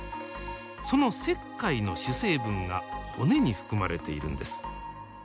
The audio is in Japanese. その石灰の主成分が骨に含まれているんです。